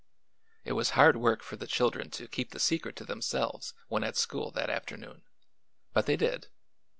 It was hard work for the children to keep the secret to themselves when at school that afternoon; but they did.